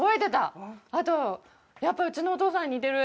あと、やっぱりうちのお父さんに似てる。